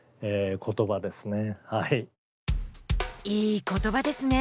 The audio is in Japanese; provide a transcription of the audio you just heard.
いい言葉ですね。